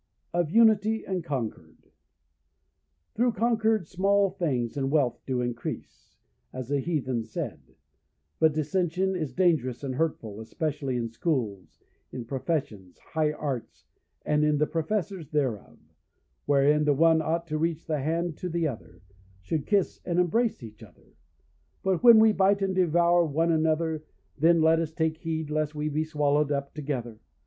Of Unity and Concord. Through concord small things and wealth do increase, as the Heathen said; but dissension is dangerous and hurtful, especially in schools, in professions, high arts, and in the professors thereof, wherein the one ought to reach the hand to the other—should kiss and embrace each other. But when we bite and devour one another, then let us take heed lest we be swallowed up together.